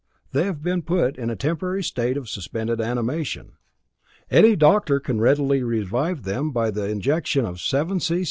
They have been put in a temporary state of suspended animation. Any doctor can readily revive them by the injection of seven c.